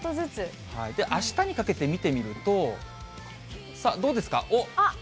あしたにかけて見てみると、どうですか？